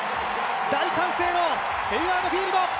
大歓声のヘイワード・フィールド。